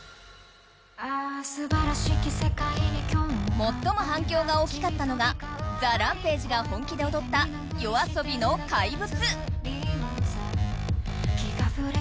最も反響が大きかったのがＴＨＥＲＡＭＰＡＧＥが本気で踊ったＹＯＡＳＯＢＩの「怪物」。